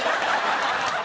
ハハハハ！